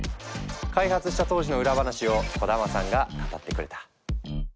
開発した当時の裏話を小玉さんが語ってくれた。